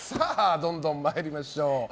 どんどん参りましょう。